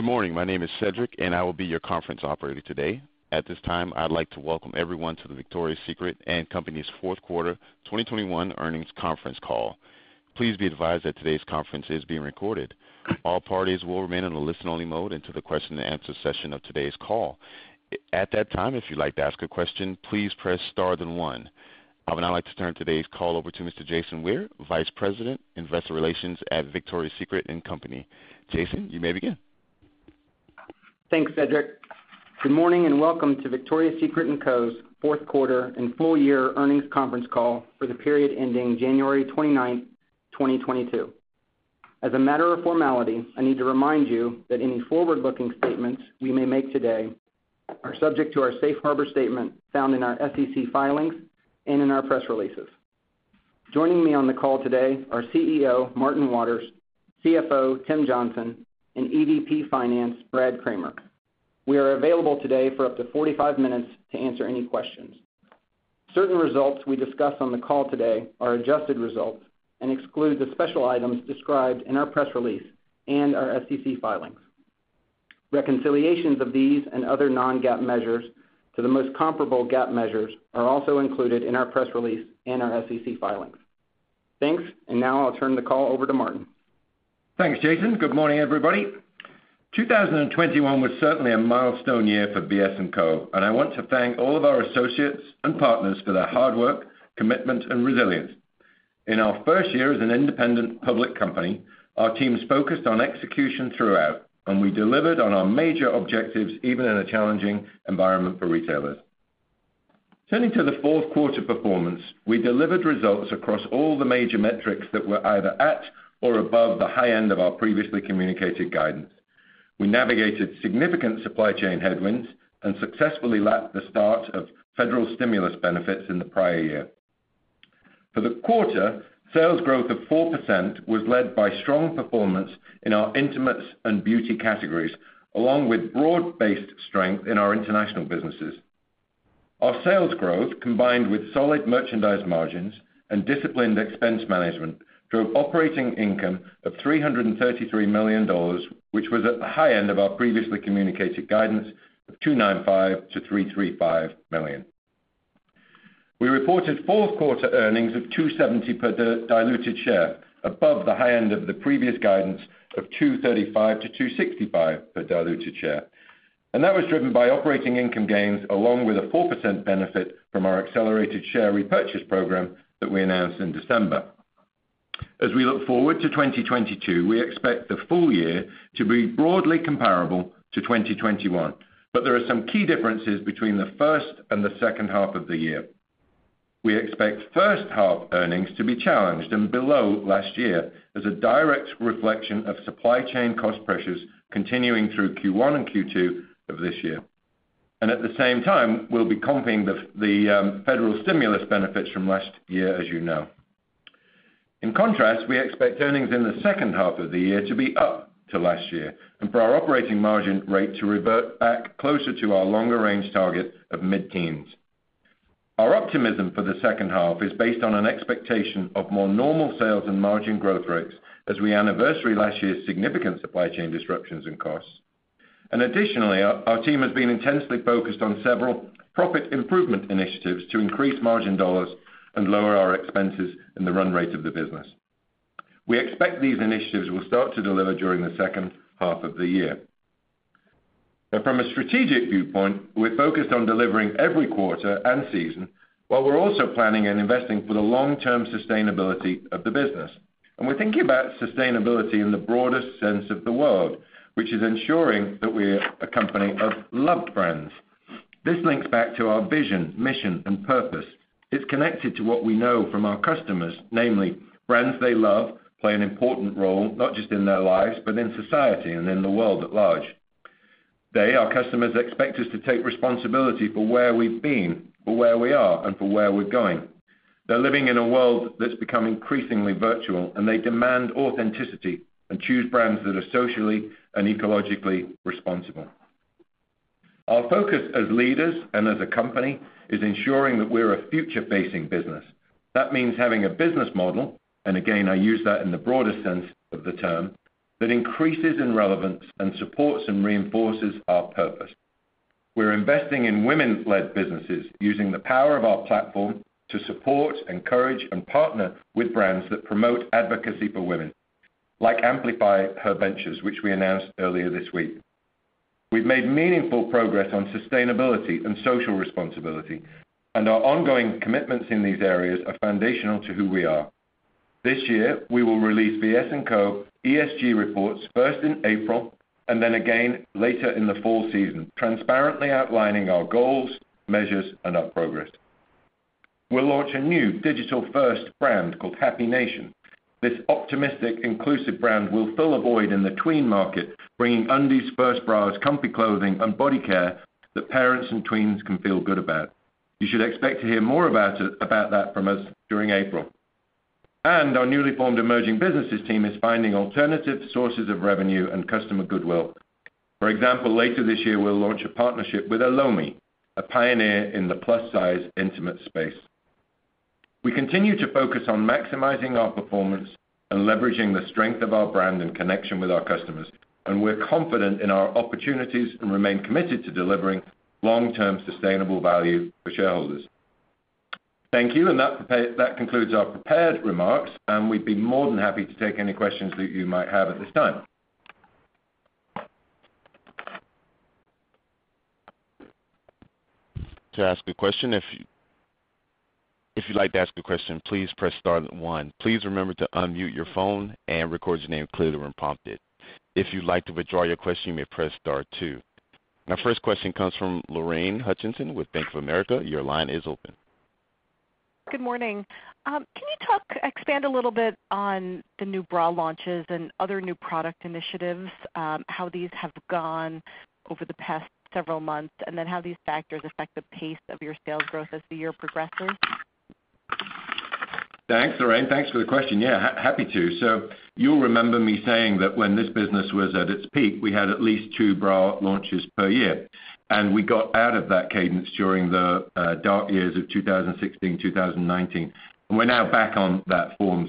Good morning. My name is Cedric, and I will be your conference operator today. At this time, I'd like to welcome everyone to the Victoria's Secret & Co.'s fourth quarter 2021 earnings conference call. Please be advised that today's conference is being recorded. All parties will remain in a listen-only mode until the question and answer session of today's call. At that time, if you'd like to ask a question, please press star then one. I'd now like to turn today's call over to Mr. Jason Ware, Vice President, Investor Relations at Victoria's Secret & Co. Jason, you may begin. Thanks, Cedric. Good morning, and Welcome to Victoria's Secret & Co.'s fourth quarter and full year earnings conference call for the period ending January 29th, 2022. As a matter of formality, I need to remind you that any forward-looking statements we may make today are subject to our safe harbor statement found in our SEC filings and in our press releases. Joining me on the call today are CEO Martin Waters, CFO Timothy Johnson, and EVP Finance Brad Kramer. We are available today for up to 45 minutes to answer any questions. Certain results we discuss on the call today are adjusted results and exclude the special items described in our press release and our SEC filings. Reconciliations of these and other non-GAAP measures to the most comparable GAAP measures are also included in our press release and our SEC filings. Thanks. Now I'll turn the call over to Martin. Thanks, Jason. Good morning, everybody. 2021 was certainly a milestone year for VS & Co, and I want to thank all of our associates and partners for their hard work, commitment, and resilience. In our first year as an independent public company, our teams focused on execution throughout, and we delivered on our major objectives, even in a challenging environment for retailers. Turning to the fourth quarter performance, we delivered results across all the major metrics that were either at or above the high end of our previously communicated guidance. We navigated significant supply chain headwinds and successfully lapped the start of federal stimulus benefits in the prior year. For the quarter, sales growth of 4% was led by strong performance in our intimates and beauty categories, along with broad-based strength in our international businesses. Our sales growth, combined with solid merchandise margins and disciplined expense management, drove operating income of $333 million, which was at the high end of our previously communicated guidance of $295 million-$335 million. We reported fourth quarter earnings of $2.70 per diluted share, above the high end of the previous guidance of $2.35-$2.65 per diluted share. That was driven by operating income gains, along with a 4% benefit from our accelerated share repurchase program that we announced in December. As we look forward to 2022, we expect the full year to be broadly comparable to 2021, but there are some key differences between the first and the second half of the year. We expect first half earnings to be challenged and below last year as a direct reflection of supply chain cost pressures continuing through Q1 and Q2 of this year. At the same time, we'll be comping the federal stimulus benefits from last year, as you know. In contrast, we expect earnings in the second half of the year to be up to last year and for our operating margin rate to revert back closer to our longer-range target of mid-teens. Our optimism for the second half is based on an expectation of more normal sales and margin growth rates as we anniversary last year's significant supply chain disruptions and costs. Additionally, our team has been intensely focused on several profit improvement initiatives to increase margin dollars and lower our expenses in the run rate of the business. We expect these initiatives will start to deliver during the second half of the year. From a strategic viewpoint, we're focused on delivering every quarter and season, while we're also planning and investing for the long-term sustainability of the business. We're thinking about sustainability in the broadest sense of the word, which is ensuring that we're a company of loved brands. This links back to our vision, mission, and purpose. It's connected to what we know from our customers, namely, brands they love play an important role, not just in their lives, but in society and in the world at large. They, our customers, expect us to take responsibility for where we've been, for where we are, and for where we're going. They're living in a world that's become increasingly virtual, and they demand authenticity and choose brands that are socially and ecologically responsible. Our focus as leaders and as a company is ensuring that we're a future-facing business. That means having a business model, and again, I use that in the broadest sense of the term, that increases in relevance and supports and reinforces our purpose. We're investing in women-led businesses using the power of our platform to support, encourage, and partner with brands that promote advocacy for women, like Amplifyher Ventures, which we announced earlier this week. We've made meaningful progress on sustainability and social responsibility, and our ongoing commitments in these areas are foundational to who we are. This year, we will release VS & Co ESG reports first in April and then again later in the fall season, transparently outlining our goals, measures, and our progress. We'll launch a new digital-first brand called Happy Nation. This optimistic, inclusive brand will fill a void in the tween market, bringing undies, first bras, comfy clothing, and body care that parents and tweens can feel good about. You should expect to hear more about it from us during April. Our newly formed emerging businesses team is finding alternative sources of revenue and customer goodwill. For example, later this year, we'll launch a partnership with Elomi, a pioneer in the plus-size intimate space. We continue to focus on maximizing our performance and leveraging the strength of our brand and connection with our customers, and we're confident in our opportunities and remain committed to delivering long-term sustainable value for shareholders. Thank you. That concludes our prepared remarks, and we'd be more than happy to take any questions that you might have at this time. To ask a question, if you'd like to ask a question, please press star and one. Please remember to unmute your phone and record your name clearly when prompted. If you'd like to withdraw your question, you may press star two. Our first question comes from Lorraine Hutchinson with Bank of America. Your line is open. Good morning. Can you talk, expand a little bit on the new bra launches and other new product initiatives, how these have gone over the past several months, and then how these factors affect the pace of your sales growth as the year progresses? Thanks, Lorraine. Thanks for the question. Yeah, happy to. You'll remember me saying that when this business was at its peak, we had at least two bra launches per year, and we got out of that cadence during the dark years of 2016, 2019. We're now back on that form.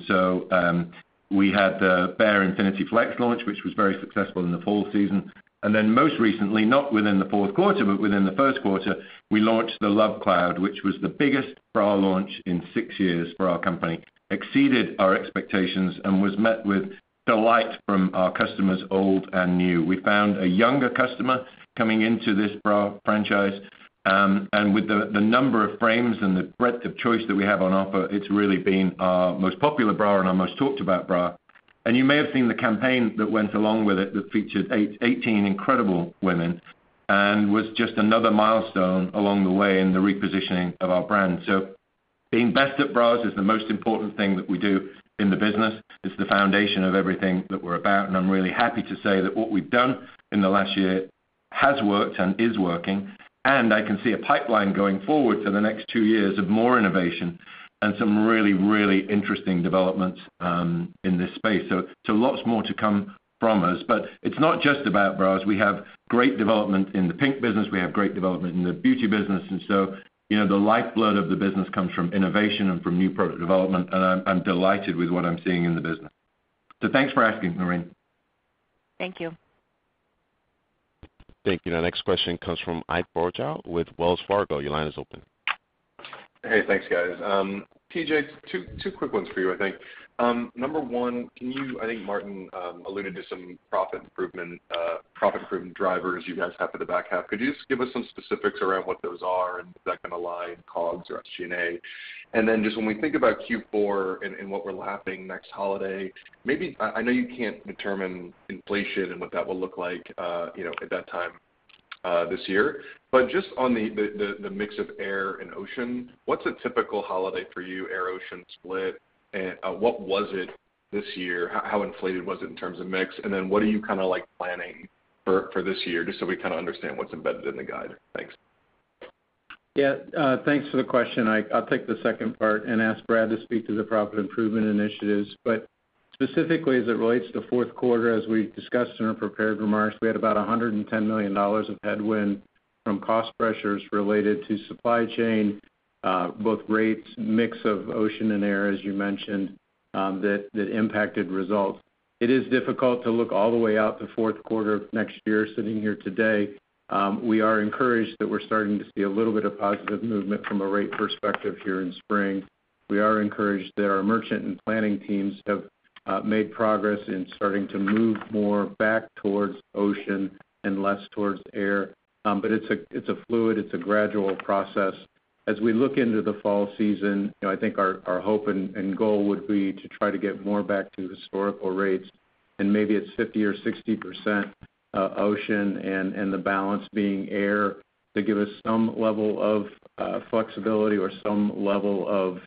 We had the Bare Infinity Flex launch, which was very successful in the fall season. Then most recently, not within the fourth quarter, but within the first quarter, we launched the Love Cloud, which was the biggest bra launch in six years for our company, exceeded our expectations and was met with delight from our customers old and new. We found a younger customer coming into this bra franchise. With the number of frames and the breadth of choice that we have on offer, it's really been our most popular bra and our most talked about bra. You may have seen the campaign that went along with it that featured 18 incredible women and was just another milestone along the way in the repositioning of our brand. Being best at bras is the most important thing that we do in the business. It's the foundation of everything that we're about, and I'm really happy to say that what we've done in the last year has worked and is working, and I can see a pipeline going forward for the next two years of more innovation and some really interesting developments in this space. Lots more to come from us. It's not just about bras. We have great development in the PINK business. We have great development in the beauty business. You know, the lifeblood of the business comes from innovation and from new product development, and I'm delighted with what I'm seeing in the business. Thanks for asking, Lorraine. Thank you. Thank you. Our next question comes from Ike Boruchow with Wells Fargo. Your line is open. Hey, thanks, guys. TJ, two quick ones for you, I think. Number one, I think Martin alluded to some profit improvement drivers you guys have for the back half. Could you just give us some specifics around what those are and is that gonna lie in COGS or SG&A? Then just when we think about Q4 and what we're lapping next holiday, maybe. I know you can't determine inflation and what that will look like, you know, at that time, this year. But just on the mix of air and ocean, what's a typical holiday for you, air/ocean split? And what was it this year? How inflated was it in terms of mix? What are you kinda like planning for this year, just so we kinda understand what's embedded in the guide? Thanks. Yeah. Thanks for the question, Ike. I'll take the second part and ask Brad to speak to the profit improvement initiatives. Specifically, as it relates to fourth quarter, as we discussed in our prepared remarks, we had about $110 million of headwind from cost pressures related to supply chain, both rates, mix of ocean and air, as you mentioned, that impacted results. It is difficult to look all the way out to fourth quarter of next year sitting here today. We are encouraged that we're starting to see a little bit of positive movement from a rate perspective here in spring. We are encouraged that our merchant and planning teams have made progress in starting to move more back towards ocean and less towards air. It's a fluid, gradual process. As we look into the fall season, you know, I think our hope and goal would be to try to get more back to historical rates, and maybe it's 50% or 60% ocean and the balance being air to give us some level of flexibility or some level of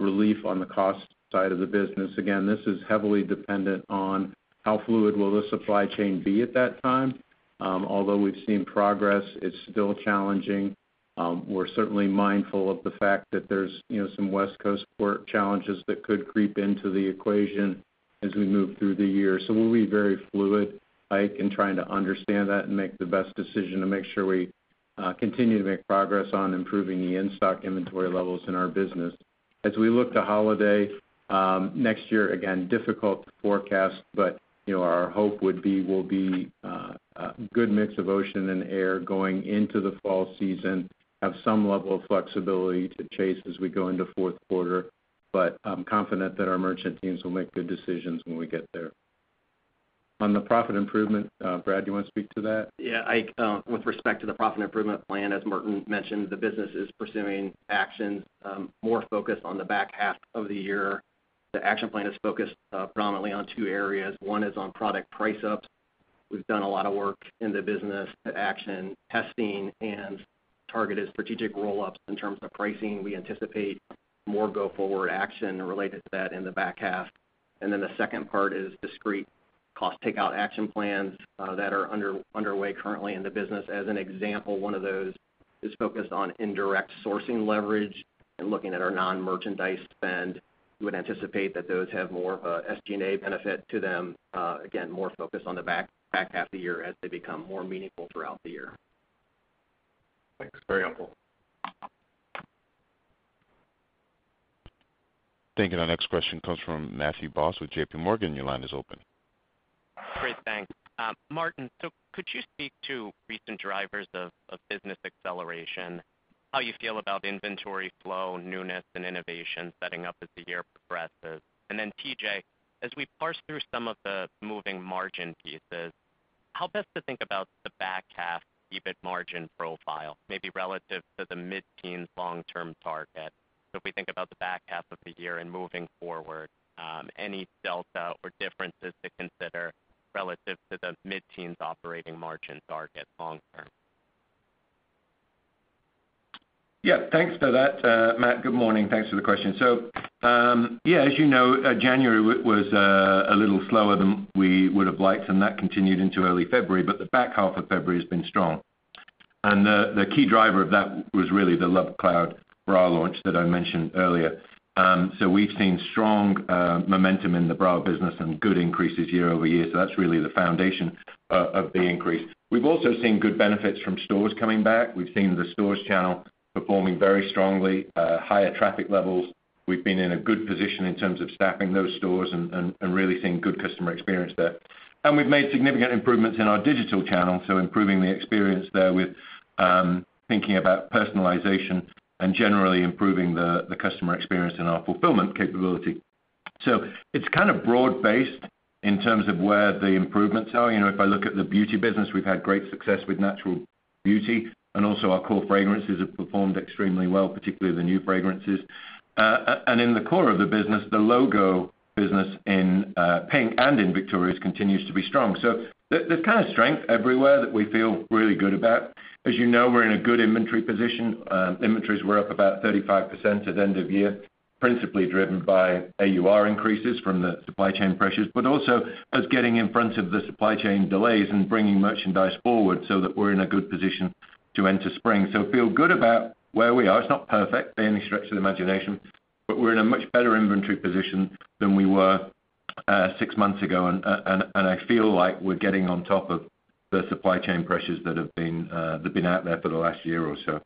relief on the cost side of the business. Again, this is heavily dependent on how fluid will the supply chain be at that time. Although we've seen progress, it's still challenging. We're certainly mindful of the fact that there's, you know, some West Coast port challenges that could creep into the equation as we move through the year. We'll be very fluid, Ike, in trying to understand that and make the best decision to make sure we continue to make progress on improving the in-stock inventory levels in our business. As we look to holiday next year, again, difficult to forecast, but our hope would be we'll be a good mix of ocean and air going into the fall season, have some level of flexibility to chase as we go into fourth quarter. I'm confident that our merchant teams will make good decisions when we get there. On the profit improvement, Brad, you wanna speak to that? Yeah, Ike, with respect to the profit improvement plan, as Martin mentioned, the business is pursuing actions, more focused on the back half of the year. The action plan is focused, predominantly on two areas. One is on product price ups. We've done a lot of work in the business to action testing and targeted strategic roll-ups in terms of pricing. We anticipate more go-forward action related to that in the back half. The second part is discrete cost takeout action plans, that are underway currently in the business. As an example, one of those is focused on indirect sourcing leverage and looking at our non-merchandise spend. We would anticipate that those have more of a SG&A benefit to them, again, more focused on the back half of the year as they become more meaningful throughout the year. Thanks, very helpful. Thank you. Our next question comes from Matthew Boss with JPMorgan. Your line is open. Great. Thanks. Martin, could you speak to recent drivers of business acceleration? How you feel about inventory flow, newness, and innovation setting up as the year progresses? And then TJ, as we parse through some of the moving margin pieces, how best to think about the back half EBIT margin profile, maybe relative to the mid-teens long-term target. If we think about the back half of the year and moving forward, any delta or differences to consider relative to the mid-teens operating margin target long term? Yeah. Thanks for that, Matt. Good morning. Thanks for the question. As you know, January was a little slower than we would have liked, and that continued into early February, but the back half of February has been strong. The key driver of that was really the Love Cloud bra launch that I mentioned earlier. We've seen strong momentum in the bra business and good increases year-over-year, that's really the foundation of the increase. We've also seen good benefits from stores coming back. We've seen the stores channel performing very strongly, higher traffic levels. We've been in a good position in terms of staffing those stores and really seeing good customer experience there. We've made significant improvements in our digital channel, so improving the experience there with, thinking about personalization and generally improving the customer experience in our fulfillment capability. It's kind of broad-based in terms of where the improvements are. You know, if I look at the beauty business, we've had great success with natural beauty, and also our core fragrances have performed extremely well, particularly the new fragrances. And in the core of the business, the logo business in PINK and in Victoria's continues to be strong. There, there's kind of strength everywhere that we feel really good about. As you know, we're in a good inventory position. Inventories were up about 35% at end of year, principally driven by AUR increases from the supply chain pressures, but also us getting in front of the supply chain delays and bringing merchandise forward so that we're in a good position to enter spring. Feel good about where we are. It's not perfect by any stretch of the imagination, but we're in a much better inventory position than we were six months ago, and I feel like we're getting on top of the supply chain pressures that have been out there for the last year or so.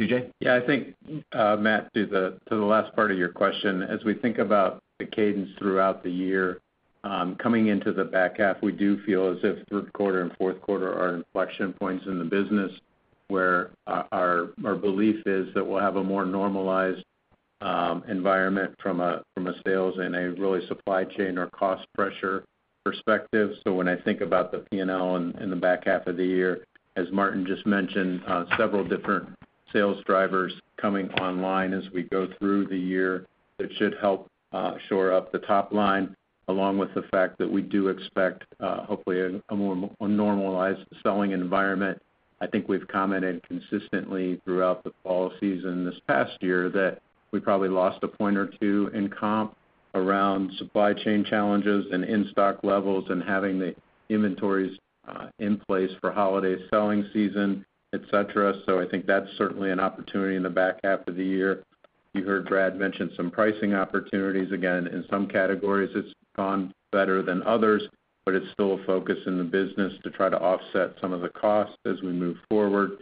TJ? Yeah, I think, Matt, to the last part of your question, as we think about the cadence throughout the year, coming into the back half, we do feel as if third quarter and fourth quarter are inflection points in the business where our belief is that we'll have a more normalized environment from a sales and a really supply chain or cost pressure perspective. When I think about the P&L in the back half of the year, as Martin just mentioned, several different sales drivers coming online as we go through the year that should help shore up the top line, along with the fact that we do expect, hopefully a more normalized selling environment. I think we've commented consistently throughout the fall season this past year that we probably lost a point or two in comp around supply chain challenges and in-stock levels and having the inventories in place for holiday selling season, et cetera. I think that's certainly an opportunity in the back half of the year. You heard Brad mention some pricing opportunities. Again, in some categories it's gone better than others, but it's still a focus in the business to try to offset some of the costs as we move forward.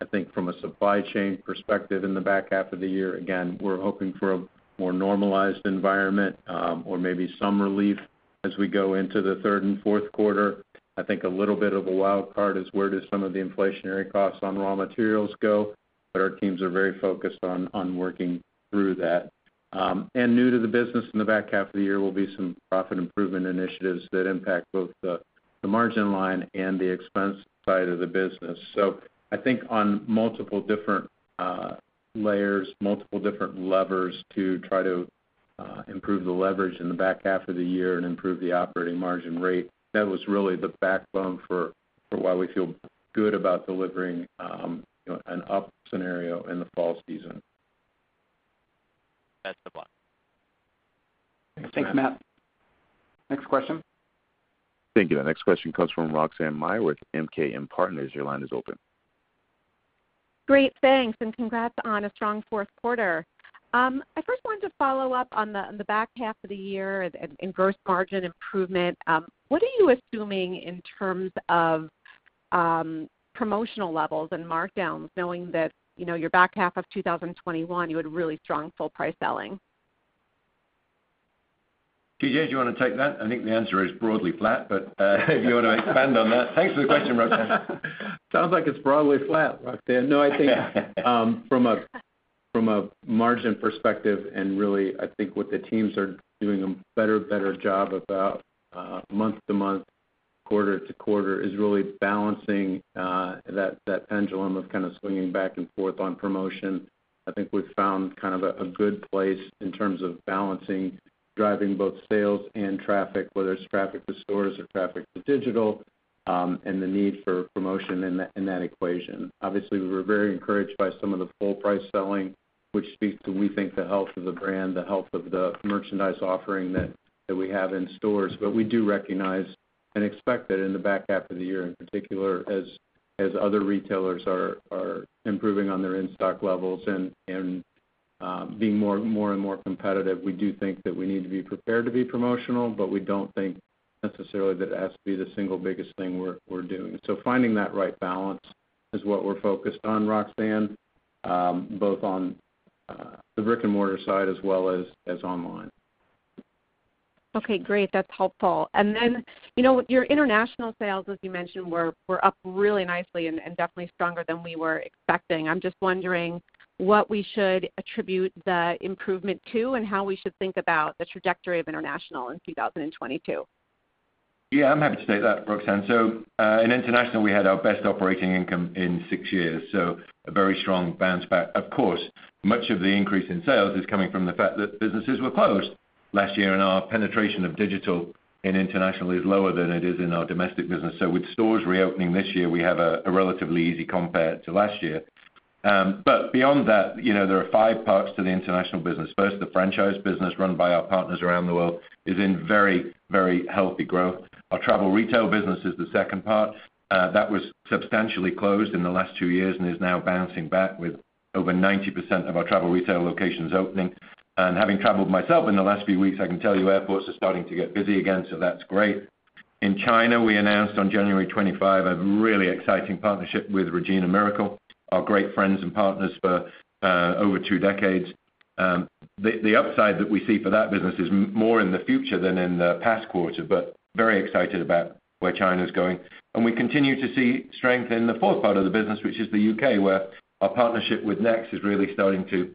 I think from a supply chain perspective in the back half of the year, again, we're hoping for a more normalized environment, or maybe some relief as we go into the third and fourth quarter. I think a little bit of a wild card is where do some of the inflationary costs on raw materials go, but our teams are very focused on working through that. New to the business in the back half of the year will be some profit improvement initiatives that impact both the margin line and the expense side of the business. I think on multiple different layers, multiple different levers to try to improve the leverage in the back half of the year and improve the operating margin rate, that was really the backbone for why we feel good about delivering, you know, an up scenario in the fall season. That's helpful. Thanks, Matt. Thanks, Matthew. Next question. Thank you. Our next question comes from Roxanne Meyer with MKM Partners. Your line is open. Great. Thanks, and congrats on a strong fourth quarter. I first wanted to follow up on the back half of the year and gross margin improvement. What are you assuming in terms of promotional levels and markdowns, knowing that, you know, your back half of 2021, you had really strong full price selling? TJ, do you wanna take that? I think the answer is broadly flat, but if you wanna expand on that. Thanks for the question, Roxanne. Sounds like it's broadly flat, Roxanne. No, I think from a margin perspective, and really I think what the teams are doing a better job about month to month, quarter to quarter, is really balancing that pendulum of kind of swinging back and forth on promotion. I think we've found kind of a good place in terms of balancing driving both sales and traffic, whether it's traffic to stores or traffic to digital, and the need for promotion in that equation. Obviously, we were very encouraged by some of the full price selling, which speaks to, we think, the health of the brand, the health of the merchandise offering that we have in stores. We do recognize and expect that in the back half of the year in particular, as other retailers are improving on their in-stock levels and Being more and more competitive, we do think that we need to be prepared to be promotional, but we don't think necessarily that it has to be the single biggest thing we're doing. Finding that right balance is what we're focused on, Roxanne, both on the brick-and-mortar side as well as online. Okay, great. That's helpful. Then, you know, your international sales, as you mentioned, were up really nicely and definitely stronger than we were expecting. I'm just wondering what we should attribute the improvement to and how we should think about the trajectory of international in 2022. Yeah, I'm happy to state that, Roxanne. In international, we had our best operating income in six years, so a very strong bounce back. Of course, much of the increase in sales is coming from the fact that businesses were closed last year, and our penetration of digital in international is lower than it is in our domestic business. With stores reopening this year, we have a relatively easy compare to last year. Beyond that, you know, there are five parts to the international business. First, the franchise business run by our partners around the world is in very healthy growth. Our travel retail business is the second part. That was substantially closed in the last two years and is now bouncing back with over 90% of our travel retail locations opening. Having traveled myself in the last few weeks, I can tell you airports are starting to get busy again, so that's great. In China, we announced on January 25 a really exciting partnership with Regina Miracle, our great friends and partners for over two decades. The upside that we see for that business is more in the future than in the past quarter, but very excited about where China's going. We continue to see strength in the fourth part of the business, which is the U.K., where our partnership with NEXT is really starting to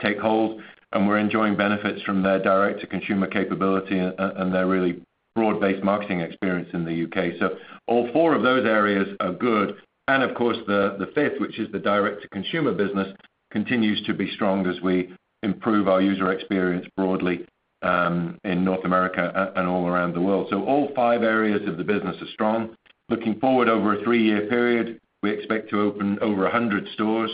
take hold, and we're enjoying benefits from their direct-to-consumer capability and their really broad-based marketing experience in the U.K. All four of those areas are good. Of course the fifth, which is the direct-to-consumer business, continues to be strong as we improve our user experience broadly, in North America and all around the world. All five areas of the business are strong. Looking forward over a three-year period, we expect to open over 100 stores,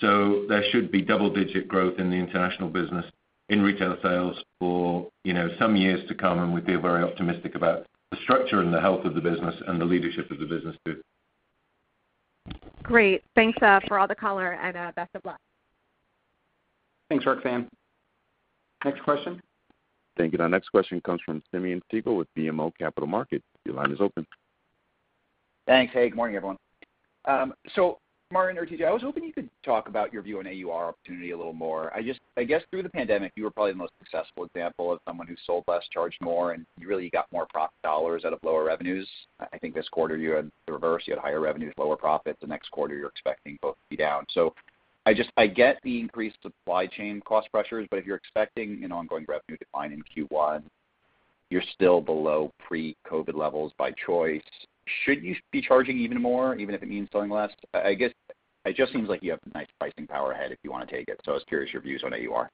so there should be double-digit growth in the international business in retail sales for, you know, some years to come, and we feel very optimistic about the structure and the health of the business and the leadership of the business too. Great. Thanks for all the color and best of luck. Thanks, Roxanne. Next question. Thank you. Our next question comes from Simeon Siegel with BMO Capital Markets. Your line is open. Thanks. Hey, good morning, everyone. Martin or TJ, I was hoping you could talk about your view on AUR opportunity a little more. I guess through the pandemic, you were probably the most successful example of someone who sold less, charged more, and you really got more profit dollars out of lower revenues. I think this quarter you had the reverse. You had higher revenues, lower profits. The next quarter, you're expecting both to be down. I get the increased supply chain cost pressures, but if you're expecting an ongoing revenue decline in Q1, you're still below pre-COVID levels by choice. Should you be charging even more, even if it means selling less? I guess it just seems like you have nice pricing power ahead if you wanna take it. I was curious your views on AUR.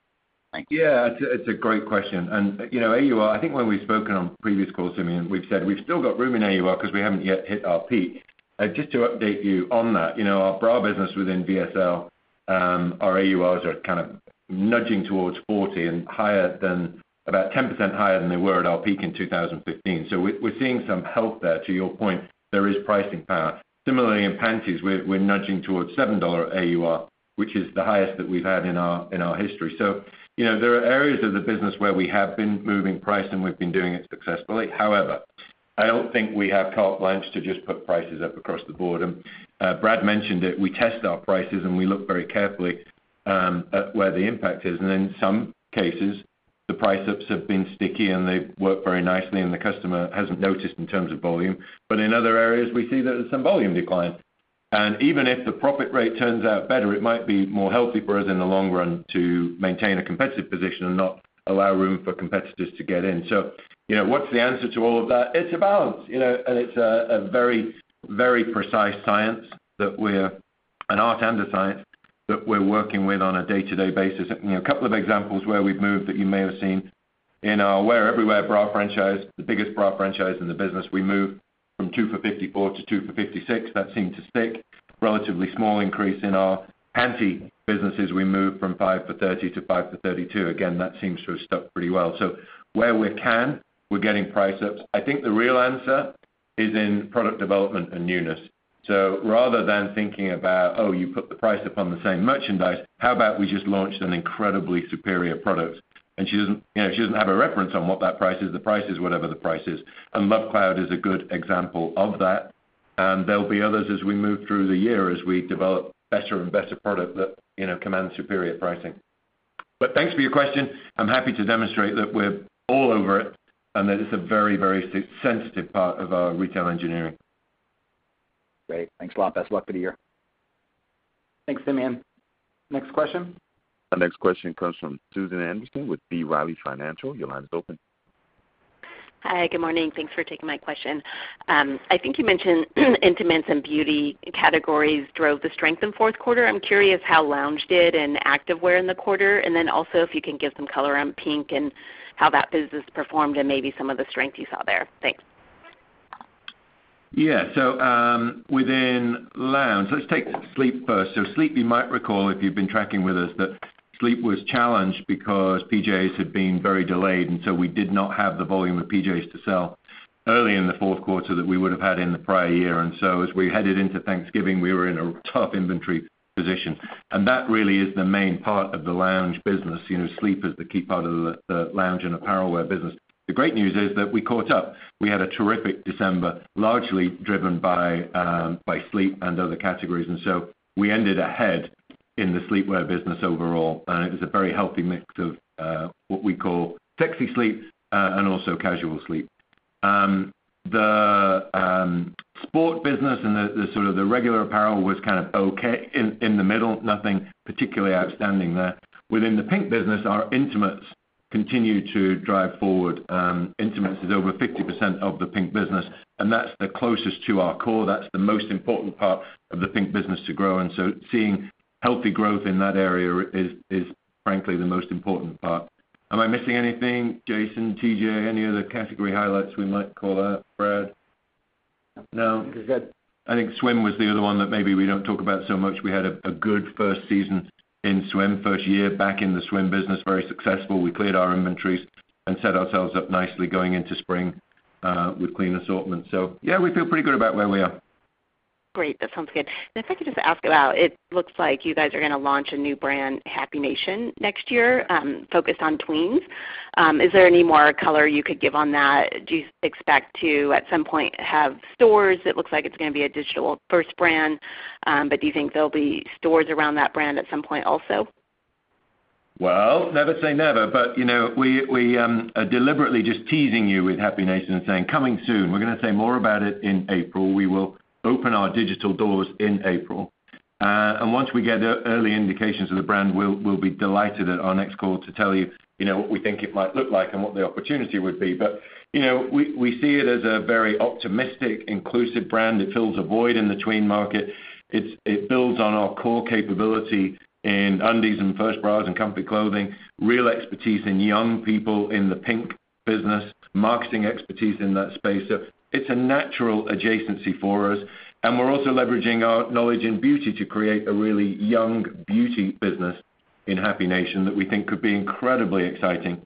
Thanks. Yeah. It's a great question. You know, AUR, I think when we've spoken on previous calls, Simeon, we've said we've still got room in AUR because we haven't yet hit our peak. Just to update you on that, you know, our bra business within VSL, our AURs are kind of nudging towards 40 and higher than about 10% higher than they were at our peak in 2015. We're seeing some health there. To your point, there is pricing power. Similarly in panties, we're nudging towards $7 AUR, which is the highest that we've had in our history. You know, there are areas of the business where we have been moving price, and we've been doing it successfully. However, I don't think we have carte blanche to just put prices up across the board. Brad mentioned it. We test our prices and we look very carefully at where the impact is. In some cases, the price ups have been sticky and they've worked very nicely, and the customer hasn't noticed in terms of volume. In other areas, we see that there's some volume decline. Even if the profit rate turns out better, it might be more healthy for us in the long run to maintain a competitive position and not allow room for competitors to get in. You know, what's the answer to all of that? It's a balance, you know, and it's an art and a science that we're working with on a day-to-day basis. You know, a couple of examples where we've moved that you may have seen, in our Wear Everywhere bra franchise, the biggest bra franchise in the business, we moved from 2 for $54 to 2 for $56. That seemed to stick. Relatively small increase in our panty businesses. We moved from 5 for $30 to 5 for $32. Again, that seems to have stuck pretty well. So where we can, we're getting price ups. I think the real answer is in product development and newness. So rather than thinking about, oh, you put the price up on the same merchandise, how about we just launch an incredibly superior product? She doesn't, you know, she doesn't have a reference on what that price is. The price is whatever the price is. Love Cloud is a good example of that, and there'll be others as we move through the year as we develop better and better product that, you know, command superior pricing. Thanks for your question. I'm happy to demonstrate that we're all over it, and that it's a very, very sensitive part of our retail engineering. Great. Thanks a lot. Best luck for the year. Thanks, Simeon. Next question. Our next question comes from Susan Anderson with B. Riley Financial. Your line is open. Hi. Good morning. Thanks for taking my question. I think you mentioned intimates and beauty categories drove the strength in fourth quarter. I'm curious how lounge did and activewear in the quarter. If you can give some color on PINK and how that business performed and maybe some of the strength you saw there. Thanks. Yeah. Within lounge, let's take sleep first. Sleep, you might recall if you've been tracking with us, that sleep was challenged because PJs had been very delayed, and we did not have the volume of PJs to sell early in the fourth quarter that we would have had in the prior year. As we headed into Thanksgiving, we were in a tough inventory position. That really is the main part of the lounge business. You know, sleep is the key part of the lounge and apparel wear business. The great news is that we caught up. We had a terrific December, largely driven by sleep and other categories, and we ended ahead in the sleepwear business overall. It was a very healthy mix of what we call sexy sleep and also casual sleep. The sport business and the regular apparel was kind of okay in the middle. Nothing particularly outstanding there. Within the PINK business, our intimates continue to drive forward. Intimates is over 50% of the PINK business, and that's the closest to our core. That's the most important part of the PINK business to grow. Seeing healthy growth in that area is frankly the most important part. Am I missing anything, Jason, TJ? Any other category highlights we might call out, Brad? No. No. Think you're good. I think swim was the other one that maybe we don't talk about so much. We had a good first season in swim, first year back in the swim business, very successful. We cleared our inventories and set ourselves up nicely going into spring, with clean assortment. Yeah, we feel pretty good about where we are. Great. That sounds good. If I could just ask about it looks like you guys are gonna launch a new brand, Happy Nation, next year, focused on tweens. Is there any more color you could give on that? Do you expect to, at some point, have stores? It looks like it's gonna be a digital first brand. Do you think there'll be stores around that brand at some point also? Well, never say never, but you know, we are deliberately just teasing you with Happy Nation and saying, "Coming soon." We're gonna say more about it in April. We will open our digital doors in April. And once we get early indications of the brand, we'll be delighted at our next call to tell you know, what we think it might look like and what the opportunity would be. You know, we see it as a very optimistic, inclusive brand. It fills a void in the tween market. It builds on our core capability in undies and first bras and comfy clothing, real expertise in young people in the PINK business, marketing expertise in that space. It's a natural adjacency for us, and we're also leveraging our knowledge in beauty to create a really young beauty business in Happy Nation that we think could be incredibly exciting.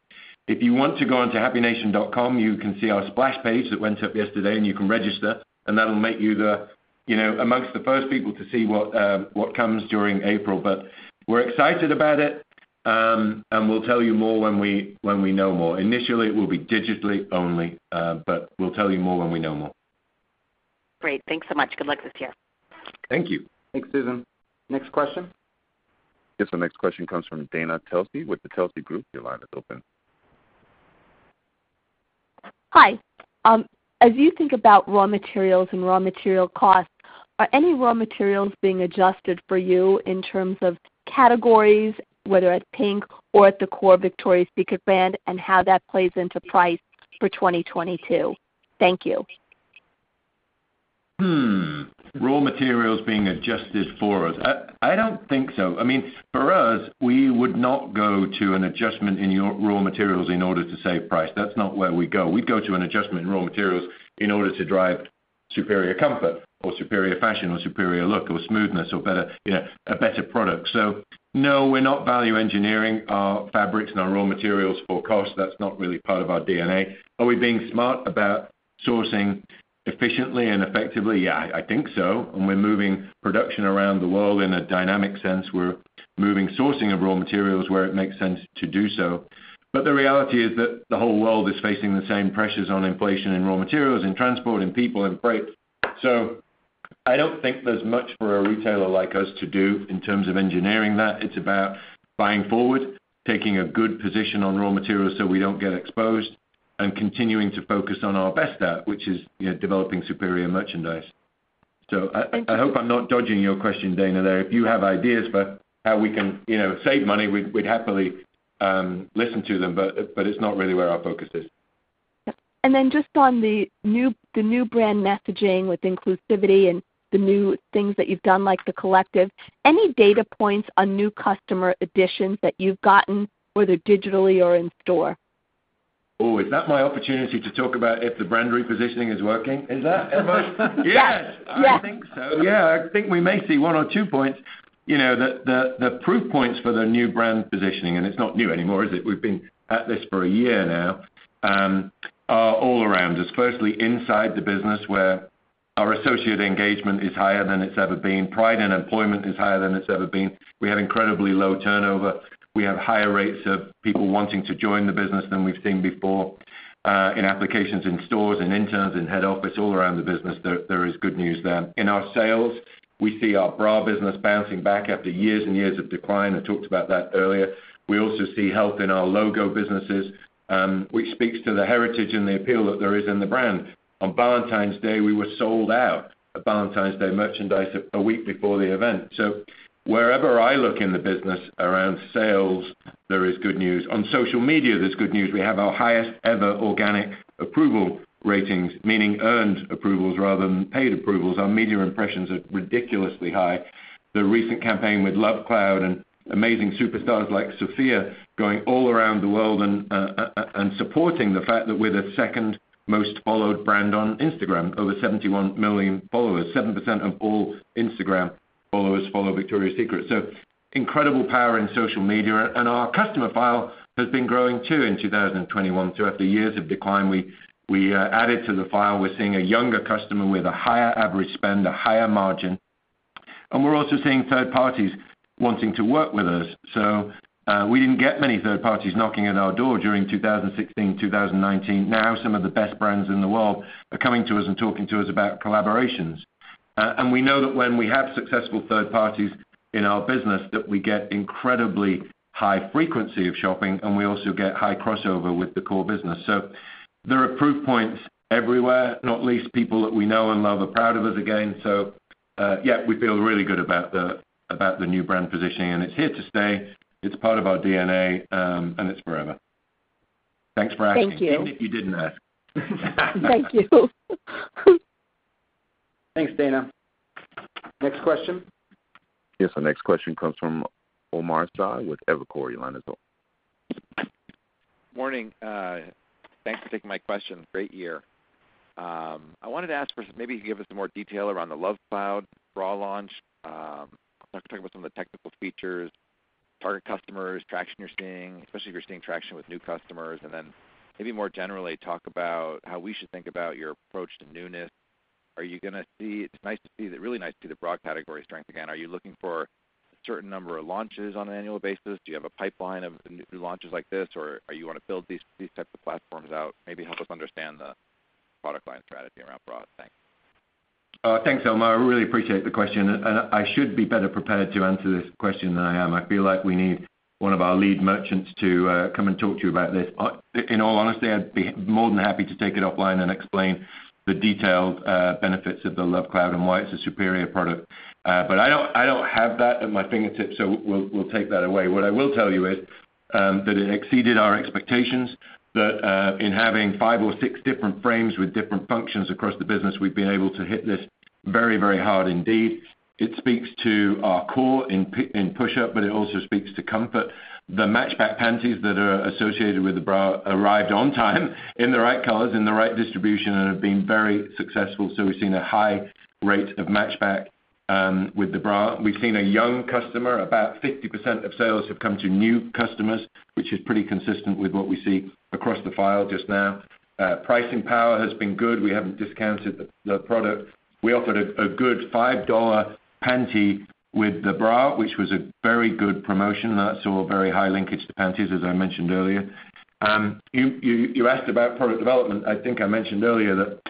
If you want to go onto happynation.com, you can see our splash page that went up yesterday, and you can register, and that'll make you the, you know, amongst the first people to see what comes during April. But we're excited about it, and we'll tell you more when we know more. Initially, it will be digitally only, but we'll tell you more when we know more. Great. Thanks so much. Good luck this year. Thank you. Thanks, Susan. Next question. Yes, the next question comes from Dana Telsey with Telsey Advisory Group. Your line is open. Hi. As you think about raw materials and raw material costs, are any raw materials being adjusted for you in terms of categories, whether at PINK or at the core Victoria's Secret brand, and how that plays into price for 2022? Thank you. Raw materials being adjusted for us. I don't think so. I mean, for us, we would not go to an adjustment in our raw materials in order to save price. That's not where we go. We go to an adjustment in raw materials in order to drive superior comfort or superior fashion or superior look or smoothness or better, you know, a better product. No, we're not value engineering our fabrics and our raw materials for cost. That's not really part of our DNA. Are we being smart about sourcing efficiently and effectively? Yeah, I think so, and we're moving production around the world in a dynamic sense. We're moving sourcing of raw materials where it makes sense to do so. The reality is that the whole world is facing the same pressures on inflation and raw materials, in transport, in people, in freight. I don't think there's much for a retailer like us to do in terms of engineering that. It's about buying forward, taking a good position on raw materials so we don't get exposed, and continuing to focus on our best bet, which is, you know, developing superior merchandise. I hope I'm not dodging your question, Dana, there. If you have ideas about how we can, you know, save money, we'd happily listen to them, but it's not really where our focus is. Just on the new brand messaging with inclusivity and the new things that you've done, like the Collective, any data points on new customer additions that you've gotten, whether digitally or in store? Ooh, is that my opportunity to talk about if the brand repositioning is working? Is that it, mate? Yes. Yes. I think so. Yeah. I think we may see 1 or 2 points. You know, the proof points for the new brand positioning, and it's not new anymore, is it? We've been at this for a year now. All around us, firstly, inside the business where our associate engagement is higher than it's ever been. Pride in employment is higher than it's ever been. We have incredibly low turnover. We have higher rates of people wanting to join the business than we've seen before, in applications in stores and interns and head office, all around the business. There is good news there. In our sales, we see our bra business bouncing back after years and years of decline. I talked about that earlier. We also see health in our logo businesses, which speaks to the heritage and the appeal that there is in the brand. On Valentine's Day, we were sold out of Valentine's Day merchandise a week before the event. Wherever I look in the business around sales, there is good news. On social media, there's good news. We have our highest ever organic approval ratings, meaning earned approvals rather than paid approvals. Our media impressions are ridiculously high. The recent campaign with Love Cloud and amazing superstars like Sophia going all around the world and supporting the fact that we're the second most followed brand on Instagram, over 71 million followers, 7% of all Instagram followers follow Victoria's Secret. Incredible power in social media, and our customer file has been growing too in 2021. After years of decline, we added to the file. We're seeing a younger customer with a higher average spend, a higher margin, and we're also seeing third parties wanting to work with us. We didn't get many third parties knocking at our door during 2016-2019. Now, some of the best brands in the world are coming to us and talking to us about collaborations. We know that when we have successful third parties in our business, that we get incredibly high frequency of shopping, and we also get high crossover with the core business. There are proof points everywhere, not least people that we know and love are proud of us again. We feel really good about the new brand positioning, and it's here to stay. It's part of our DNA, and it's forever. Thanks for asking. Thank you. Even if you didn't ask. Thank you. Thanks, Dana. Next question. Yes, our next question comes from Omar Saad with Evercore. Your line is open. Morning. Thanks for taking my question. Great year. I wanted to ask. Maybe you could give us some more detail around the Love Cloud bra launch. Talk to me about some of the technical features, target customers, traction you're seeing, especially if you're seeing traction with new customers. Maybe more generally, talk about how we should think about your approach to newness. It's really nice to see the bra category strength again. Are you looking for a certain number of launches on an annual basis? Do you have a pipeline of new launches like this, or are you gonna build these types of platforms out? Maybe help us understand the product line strategy around bra. Thanks. Thanks, Omar. I really appreciate the question, and I should be better prepared to answer this question than I am. I feel like we need one of our lead merchants to come and talk to you about this. In all honesty, I'd be more than happy to take it offline and explain the detailed benefits of the Love Cloud and why it's a superior product. I don't have that at my fingertips, so we'll take that away. What I will tell you is that it exceeded our expectations, that in having five or six different frames with different functions across the business, we've been able to hit this very, very hard indeed. It speaks to our core in push-up, but it also speaks to comfort. The match back panties that are associated with the bra arrived on time in the right colors, in the right distribution, and have been very successful. We've seen a high rate of match back with the bra. We've seen a young customer. About 50% of sales have come to new customers, which is pretty consistent with what we see across the file just now. Pricing power has been good. We haven't discounted the product. We offered a good $5 panty with the bra, which was a very good promotion. That saw a very high linkage to panties, as I mentioned earlier. You asked about product development. I think I mentioned earlier that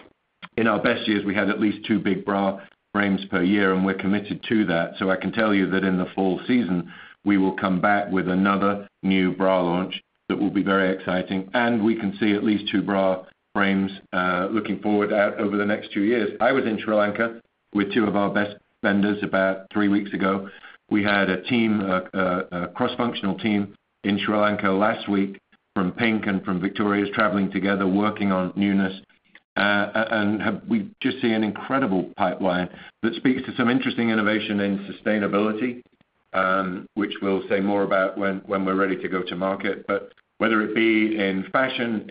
in our best years, we had at least two big bra frames per year, and we're committed to that. I can tell you that in the fall season, we will come back with another new bra launch that will be very exciting, and we can see at least two bra frames looking forward out over the next two years. I was in Sri Lanka with two of our best vendors about three weeks ago. We had a cross-functional team in Sri Lanka last week from PINK and from Victoria's traveling together, working on newness. We just see an incredible pipeline that speaks to some interesting innovation in sustainability, which we'll say more about when we're ready to go to market. Whether it be in fashion,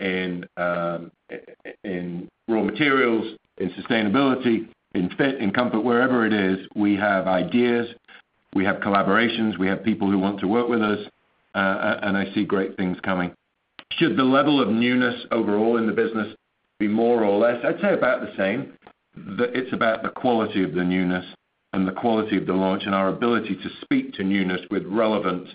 in raw materials, in sustainability, in fit and comfort, wherever it is, we have ideas, we have collaborations, we have people who want to work with us, and I see great things coming. Should the level of newness overall in the business be more or less? I'd say about the same. It's about the quality of the newness and the quality of the launch and our ability to speak to newness with relevant,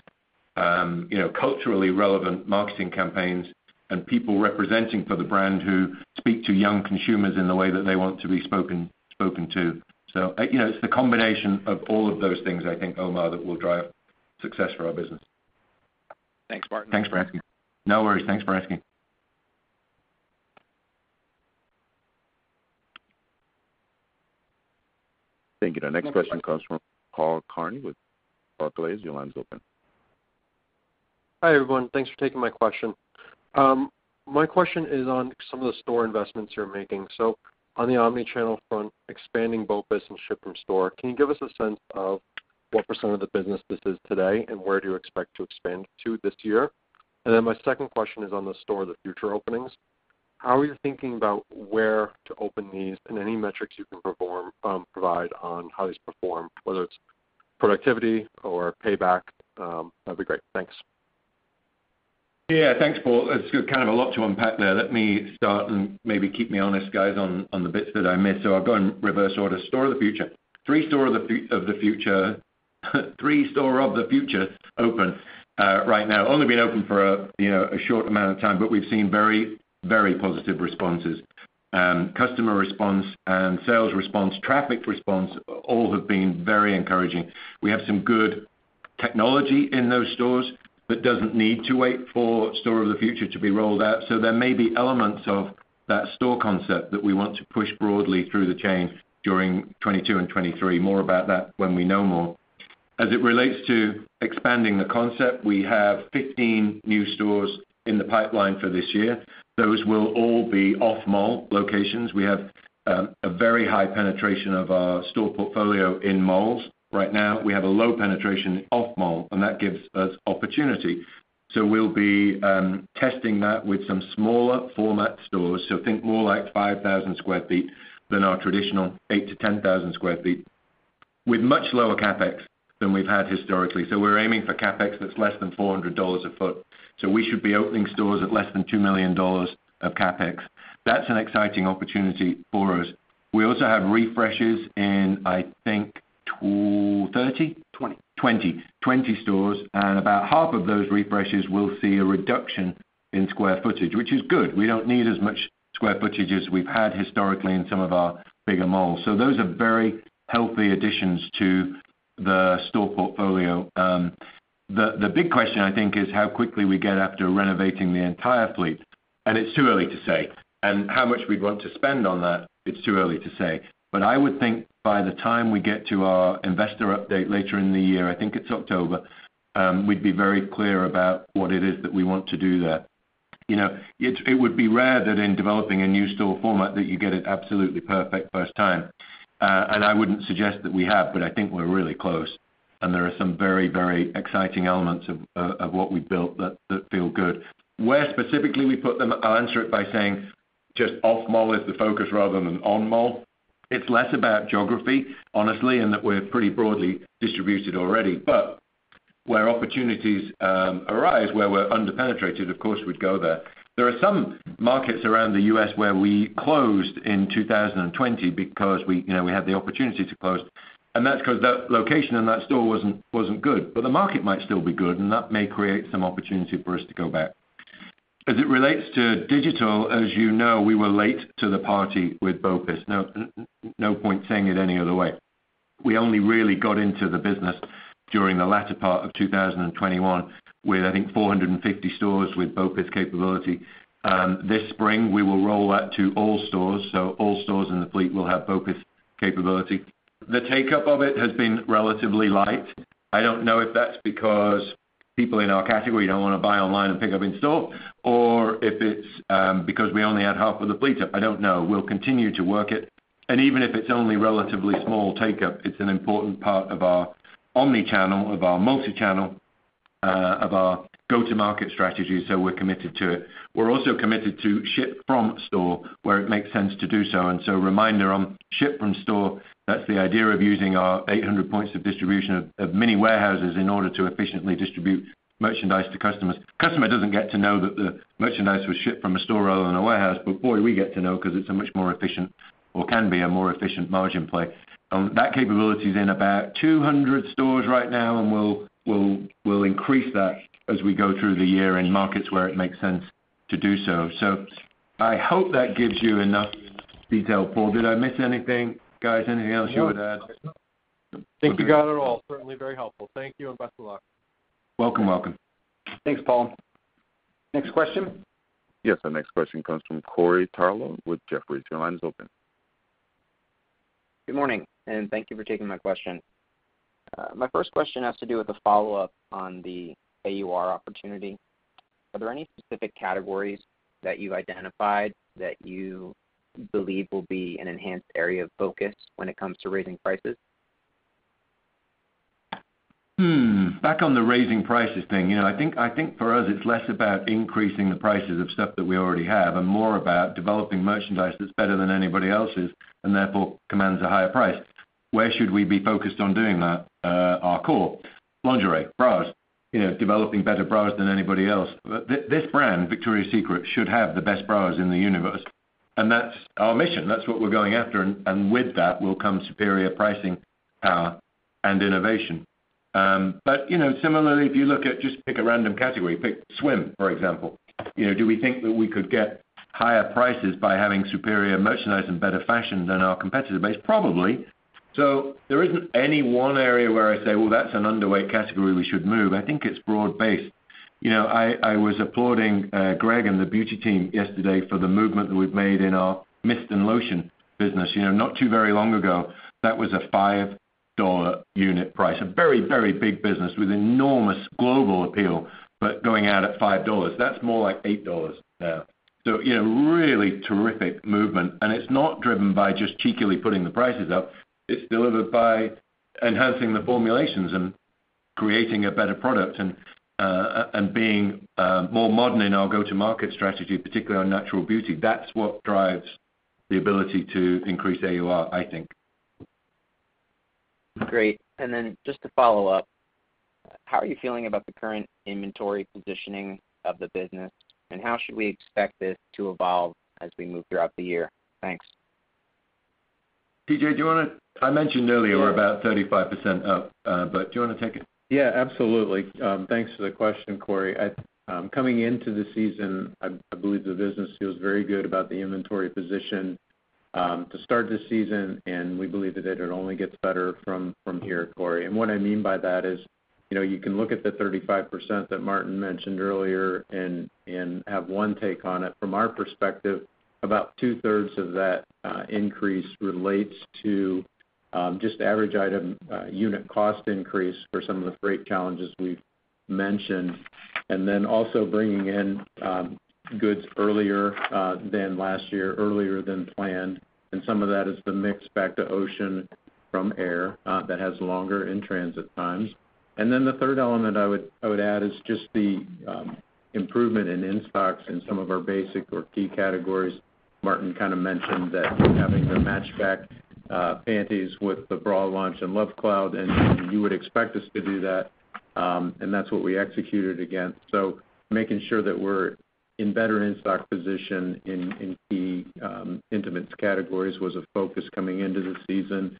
you know, culturally relevant marketing campaigns and people representing for the brand who speak to young consumers in the way that they want to be spoken to. You know, it's the combination of all of those things, I think, Omar, that will drive success for our business. Thanks, Martin. Thanks for asking. No worries. Thanks for asking. Thank you. The next question comes from Paul Kearney with Barclays. Your line is open. Hi, everyone. Thanks for taking my question. My question is on some of the store investments you're making. On the omni-channel front, expanding BOPUS and ship from store, can you give us a sense of what % of the business this is today, and where do you expect to expand to this year? Then my second question is on the Store of the Future openings. How are you thinking about where to open these and any metrics you can provide on how these perform, whether it's productivity or payback, that'd be great. Thanks. Yeah. Thanks, Paul. It's kind of a lot to unpack there. Let me start, and maybe keep me honest, guys, on the bits that I miss. I'll go in reverse order. Store of the Future. Three Store of the Future open right now. Only been open for, you know, a short amount of time, but we've seen very, very positive responses. Customer response and sales response, traffic response, all have been very encouraging. We have some good technology in those stores that doesn't need to wait for Store of the Future to be rolled out. There may be elements of that store concept that we want to push broadly through the chain during 2022 and 2023. More about that when we know more. As it relates to expanding the concept, we have 15 new stores in the pipeline for this year. Those will all be off-mall locations. We have a very high penetration of our store portfolio in malls. Right now, we have a low penetration off-mall, and that gives us opportunity. We'll be testing that with some smaller format stores. Think more like 5,000 sq ft than our traditional 8,000sq ft-10,000 sq ft. With much lower CapEx than we've had historically. We're aiming for CapEx that's less than $400 a foot. We should be opening stores at less than $2 million of CapEx. That's an exciting opportunity for us. We also have refreshes in, I think, 20-30. Twenty. 20 stores, and about half of those refreshes will see a reduction in square footage, which is good. We don't need as much square footage as we've had historically in some of our bigger malls. Those are very healthy additions to the store portfolio. The big question I think is how quickly we get after renovating the entire fleet, and it's too early to say. How much we'd want to spend on that, it's too early to say. I would think by the time we get to our investor update later in the year, I think it's October, we'd be very clear about what it is that we want to do there. You know, it would be rare that in developing a new store format that you get it absolutely perfect first time. I wouldn't suggest that we have, but I think we're really close, and there are some very, very exciting elements of what we've built that feel good. Where specifically we put them, I'll answer it by saying just off mall is the focus rather than on mall. It's less about geography, honestly, in that we're pretty broadly distributed already. But where opportunities arise, where we're under-penetrated, of course we'd go there. There are some markets around the U.S. where we closed in 2020 because we, you know, we had the opportunity to close, and that's 'cause that location and that store wasn't good. But the market might still be good, and that may create some opportunity for us to go back. As it relates to digital, as you know, we were late to the party with BOPUS. No, no point saying it any other way. We only really got into the business during the latter part of 2021 with, I think, 450 stores with BOPUS capability. This spring we will roll that to all stores, so all stores in the fleet will have BOPUS capability. The take-up of it has been relatively light. I don't know if that's because people in our category don't wanna buy online and pick up in store, or if it's because we only had half of the fleet up. I don't know. We'll continue to work it. Even if it's only relatively small take-up, it's an important part of our omni-channel, of our multi-channel, of our go-to-market strategy, so we're committed to it. We're also committed to ship from store where it makes sense to do so. Reminder on ship from store, that's the idea of using our 800 points of distribution of mini warehouses in order to efficiently distribute merchandise to customers. Customer doesn't get to know that the merchandise was shipped from a store rather than a warehouse, but boy, we get to know 'cause it's a much more efficient or can be a more efficient margin play. That capability's in about 200 stores right now, and we'll increase that as we go through the year in markets where it makes sense to do so. I hope that gives you enough detail, Paul. Did I miss anything? Guys, anything else you would add? No. I think you got it all. Certainly very helpful. Thank you, and best of luck. Welcome, welcome. Thanks, Paul. Next question. Yes. Our next question comes from Corey Tarlowe with Jefferies. Your line is open. Good morning, and thank you for taking my question. My first question has to do with a follow-up on the AUR opportunity. Are there any specific categories that you've identified that you believe will be an enhanced area of focus when it comes to raising prices? Back on the raising prices thing, you know, I think for us it's less about increasing the prices of stuff that we already have and more about developing merchandise that's better than anybody else's and therefore commands a higher price. Where should we be focused on doing that? Our core. Lingerie, bras, you know, developing better bras than anybody else. This brand, Victoria's Secret, should have the best bras in the universe, and that's our mission. That's what we're going after, and with that will come superior pricing power and innovation. But you know, similarly, if you look at just pick a random category, pick swim, for example, you know, do we think that we could get higher prices by having superior merchandise and better fashion than our competitor base? Probably. There isn't any one area where I say, "Well, that's an underweight category we should move." I think it's broad-based. You know, I was applauding Greg and the beauty team yesterday for the movement that we've made in our mist and lotion business. You know, not too very long ago, that was a $5 unit price, a very, very big business with enormous global appeal, but going out at $5. That's more like $8 now. You know, really terrific movement, and it's not driven by just cheekily putting the prices up. It's delivered by enhancing the formulations and creating a better product and being more modern in our go-to-market strategy, particularly on natural beauty. That's what drives the ability to increase AUR, I think. Great. Just to follow up, how are you feeling about the current inventory positioning of the business, and how should we expect this to evolve as we move throughout the year? Thanks. TJ, do you wanna, I mentioned earlier we're about 35% up, but do you wanna take it? Yeah, absolutely. Thanks for the question, Corey. Coming into the season, I believe the business feels very good about the inventory position to start this season, and we believe that it only gets better from here, Corey. What I mean by that is, you can look at the 35% that Martin mentioned earlier and have one take on it. From our perspective, about two-thirds of that increase relates to just average item unit cost increase for some of the freight challenges we've mentioned. Then also bringing in goods earlier than last year, earlier than planned, and some of that is the mix back to ocean from air that has longer in-transit times. Then the third element I would add is just the improvement in in-stocks in some of our basic or key categories. Martin kind of mentioned that we're having the match back panties with the bra launch in Love Cloud, and you would expect us to do that, and that's what we executed against. Making sure that we're in better in-stock position in key intimates categories was a focus coming into the season.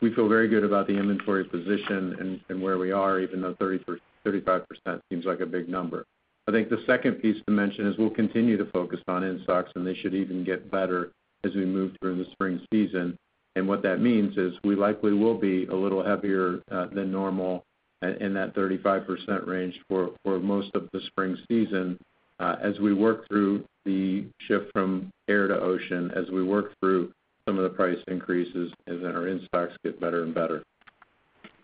We feel very good about the inventory position and where we are, even though 30%-35% seems like a big number. I think the second piece to mention is we'll continue to focus on in-stocks, and they should even get better as we move through the spring season. What that means is we likely will be a little heavier than normal in that 35% range for most of the spring season as we work through the shift from air to ocean, as we work through some of the price increases and then our in-stocks get better and better.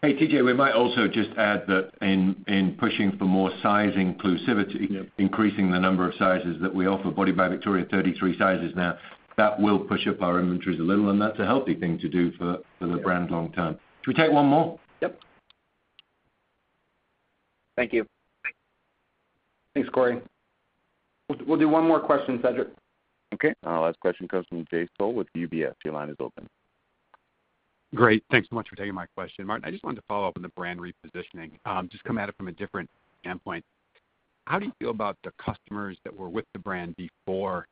Hey, TJ, we might also just add that in pushing for more size inclusivity. Yep. Increasing the number of sizes that we offer, Body by Victoria 33 sizes now, that will push up our inventories a little, and that's a healthy thing to do for the brand long term. Should we take one more? Yep. Thank you. Thanks, Corey. We'll do one more question, Cedric. Okay. Our last question comes from Jay Sole with UBS. Your line is open. Great. Thanks so much for taking my question. Martin, I just wanted to follow up on the brand repositioning, just come at it from a different standpoint. How do you feel about the customers that were with the brand before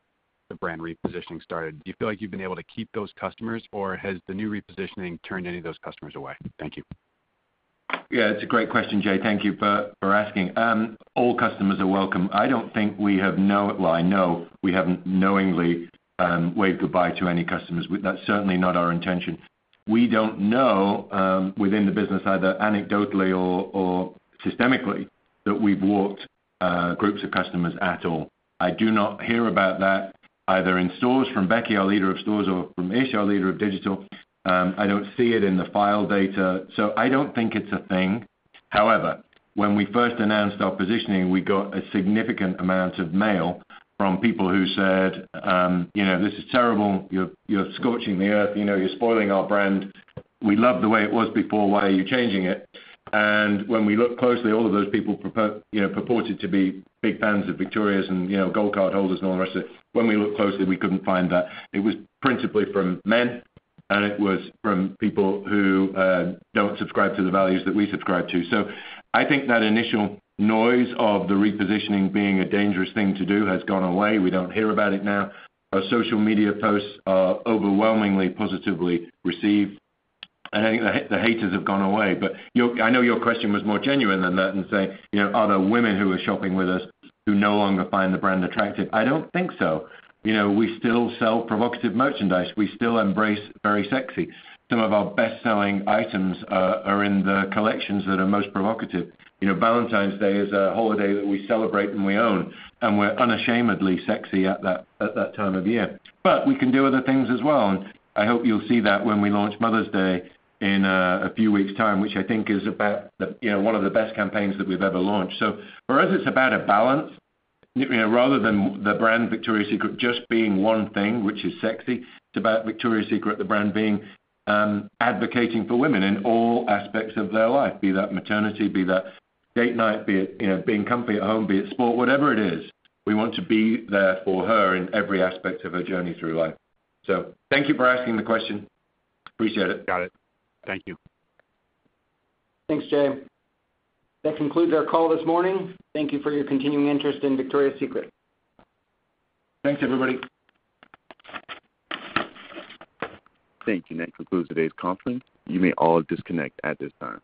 the brand repositioning started? Do you feel like you've been able to keep those customers, or has the new repositioning turned any of those customers away? Thank you. Yeah, it's a great question, Jay. Thank you for asking. All customers are welcome. I don't think we have. Well, I know we haven't knowingly waved goodbye to any customers. That's certainly not our intention. We don't know within the business either anecdotally or systemically that we've walked groups of customers at all. I do not hear about that either in stores from Becky, our leader of stores, or from Misha, our leader of digital. I don't see it in the file data, so I don't think it's a thing. However, when we first announced our positioning, we got a significant amount of mail from people who said, you know, "This is terrible. You're scorching the earth. You know, you're spoiling our brand. We loved the way it was before. Why are you changing it?" When we looked closely, all of those people, you know, purported to be big fans of Victoria's and, you know, Gold Card holders and all the rest of it. When we looked closely, we couldn't find that. It was principally from men, and it was from people who don't subscribe to the values that we subscribe to. I think that initial noise of the repositioning being a dangerous thing to do has gone away. We don't hear about it now. Our social media posts are overwhelmingly positively received. I think the haters have gone away. Your question was more genuine than that in saying, you know, are there women who are shopping with us who no longer find the brand attractive? I don't think so. You know, we still sell provocative merchandise. We still embrace very sexy. Some of our best-selling items are in the collections that are most provocative. You know, Valentine's Day is a holiday that we celebrate, and we own, and we're unashamedly sexy at that time of year. We can do other things as well, and I hope you'll see that when we launch Mother's Day in a few weeks' time, which I think is about the you know, one of the best campaigns that we've ever launched. For us, it's about a balance. You know, rather than the brand Victoria's Secret just being one thing, which is sexy, it's about Victoria's Secret, the brand, being advocating for women in all aspects of their life, be that maternity, be that date night, be it, you know, being comfy at home, be it sport, whatever it is, we want to be there for her in every aspect of her journey through life. Thank you for asking the question. Appreciate it. Got it. Thank you. Thanks, Jay. That concludes our call this morning. Thank you for your continuing interest in Victoria's Secret. Thanks, everybody. Thank you. That concludes today's conference. You may all disconnect at this time.